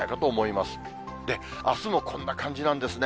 あすもこんな感じなんですね。